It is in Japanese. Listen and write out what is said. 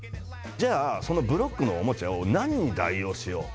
じゃあそのブロックのおもちゃを何に代用しよう。